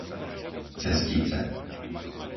Cestice